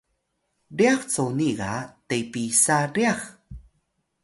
ryax coni ga te pisa ryax?